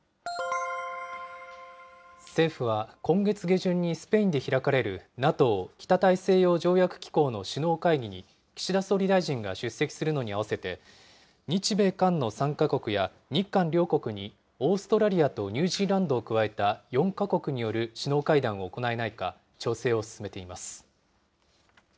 政府は、今月下旬にスペインで開かれる、ＮＡＴＯ・北大西洋条約機構の首脳会議に岸田総理大臣が出席するのに合わせて、日米韓の３か国や日韓両国にオーストラリアとニュージーランドを加えた４か国による首脳会談を行えないか調整を進めています。